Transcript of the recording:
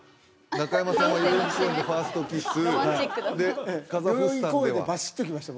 中山さんは人生の節目代々木公園でファーストキス代々木公園でバシッといきました